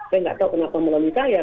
saya tidak tahu kenapa mau menikah ya